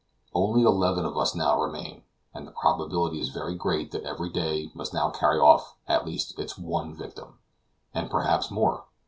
Only eleven of us now remain; and the probability is very great that every day must now carry off at least its one victim, and perhaps more.